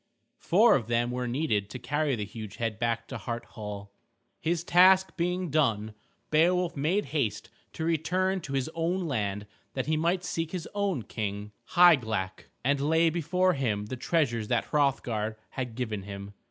Four of them were needed to carry the huge head back to Hart Hall. His task being done Beowulf made haste to return to his own land that he might seek his own King, Hygelac, and lay before him the treasures that Hrothgar had given him.